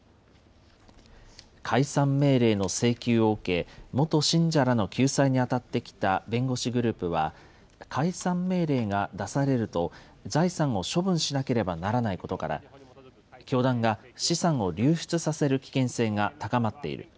解散命令の請求を受け、元信者らの救済に当たってきた弁護士グループは、解散命令が出されると、財産を処分しなければならないことから、教団が資産を流出させる危険性が高まっている。